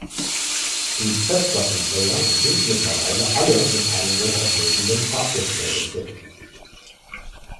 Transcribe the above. Die Festplatten-Player sind mittlerweile alle mit einem hochauflösenden Farbdisplay bestückt.